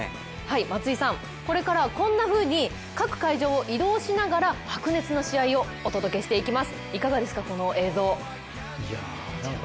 松井さん、これからこんなふうに各会場を移動しながら白熱の試合をお届けしていきます、この映像、いかがですか？